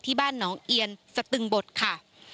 ที่บ้านหนองเอียนสตึงบทค่ะ